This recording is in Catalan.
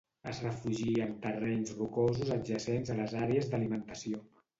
Es refugia en terrenys rocosos adjacents a les àrees d'alimentació.